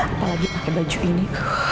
apalagi pake baju ini